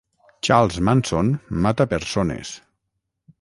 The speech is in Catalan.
Charles Manson mata persones.